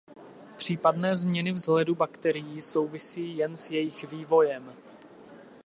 Případné změny vzhledu bakterií souvisí jen s jejich vývojem.